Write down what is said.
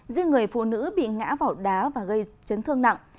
riêng người phụ nữ bị ngã vào đá và gây chấn thương nặng